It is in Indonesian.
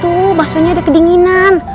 gue bakso nya ada kedinginan